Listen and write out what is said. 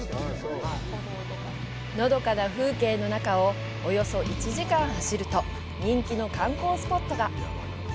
のどかな風景の中をおよそ１時間走ると、人気の観光スポットが。